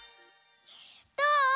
どう？